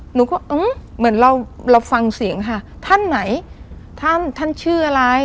หนูก็อื้อเหมือนเราเราฟังเสียงค่ะท่านไหนท่านท่านชื่ออะไร